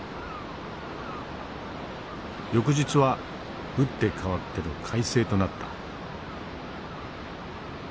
翌日は打って変わっての快晴となった。